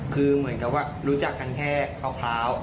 คือเหมือนกับว่ารู้จักกันแค่คร้าว